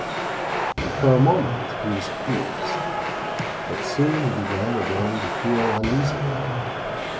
And for a moment he was pleased; but soon he began again to feel uneasy.